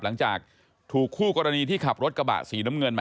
หลังจากถูกคู่กรณีที่ขับรถกระบะสีน้ำเงินมา